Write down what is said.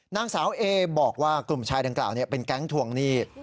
นางสาวเอบอกว่ากลุ่มชายดังกล่าวเป็นแก๊งทวงหนี้